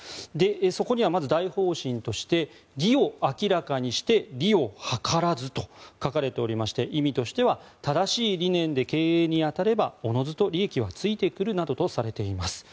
そこにはまず大方針として義を明らかにして、利を計らずと書かれておりまして意味としては正しい理念で経営に当たればおのずと利益はついてくるなどとされています。